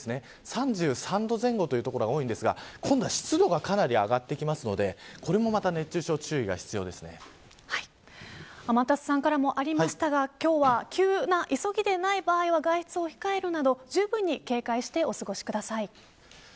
３３度前後の所が多いんですが今度は湿度がかなり上がってくるので天達さんからもありましたが今日は急ぎでない場合は外出を控えるなどじゅうぶんに警戒してお過ごしください。